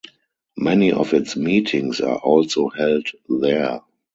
Many of its meetings are also held there.